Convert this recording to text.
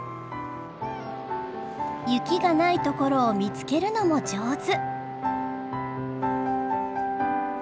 雪がない所を見つけるのも上手。